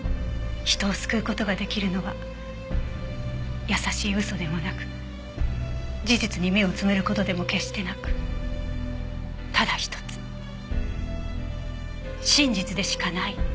人を救う事が出来るのは優しい嘘でもなく事実に目をつむる事でも決してなくただ一つ真実でしかない。